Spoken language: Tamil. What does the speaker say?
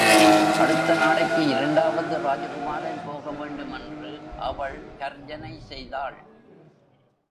அடுத்த நாளைக்கு இரண்டாவது ராஜகுமாரன் போகவேண்டும் என்று அவள் கர்ஜனை செய்தாள்.